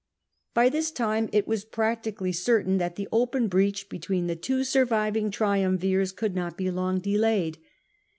By this time it was practically certain that the open breach between the two surviving triumvirs could not be long delayed.